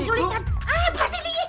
tuh di situ